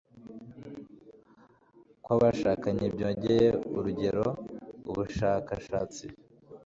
kw'abashakanye byogeye urugero, ubushakashatsi